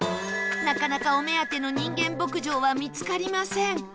なかなかお目当ての人間牧場は見つかりません